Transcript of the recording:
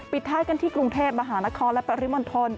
ท้ายกันที่กรุงเทพมหานครและปริมณฑล